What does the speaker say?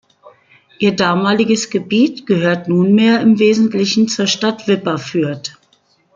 Ihr damaliges Gebiet gehört nunmehr im Wesentlichen zur Stadt Wipperfürth.